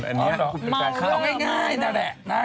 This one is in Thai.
อ๋อเหรอมาวเลอร์ง่ายนั่นแหละ